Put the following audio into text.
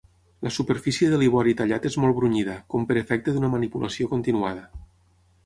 La superfície de l'ivori tallat és molt brunyida, com per efecte d'una manipulació continuada.